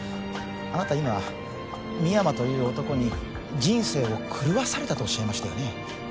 あなた今深山という男に人生を狂わされたとおっしゃいましたよね？